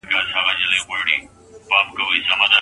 رحمان بابا د وحدت او عشق ښوونکی و.